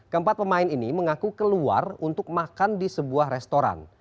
keempat pemain ini mengaku keluar untuk makan di sebuah restoran